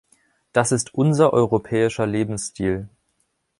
Das ist unser europäischer Lebensstil.